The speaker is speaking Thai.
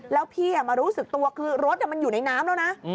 แล้วพี่มารู้สึกตัวคือรถมันอยู่ในน้ำแล้วนะ